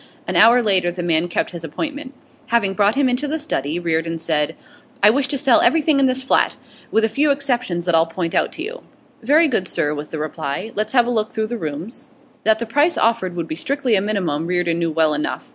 An hour later the man kept his appointment. Having brought him into the study, Reardon said: 'I wish to sell everything in this flat, with a few exceptions that I'll point out to you'. 'Very good, sir,' was the reply. 'Let's have a look through the rooms.' That the price offered would be strictly a minimum Reardon knew well enough.